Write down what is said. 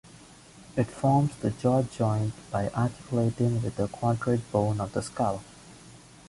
It forms the jaw joint by articulating with the quadrate bone of the skull.